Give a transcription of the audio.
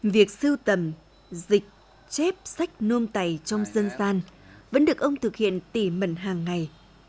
việc sưu tầm dịch chép sách nôm tày trong dân gian vẫn được ông thực hiện tỉ mẩn hàng ngày